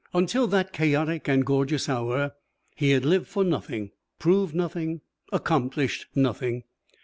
Until that chaotic and gorgeous hour he had lived for nothing, proved nothing, accomplished nothing.